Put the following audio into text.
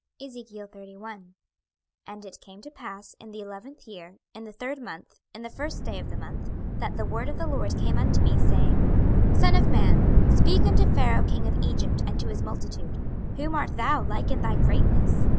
26:031:001 And it came to pass in the eleventh year, in the third month, in the first day of the month, that the word of the LORD came unto me, saying, 26:031:002 Son of man, speak unto Pharaoh king of Egypt, and to his multitude; Whom art thou like in thy greatness?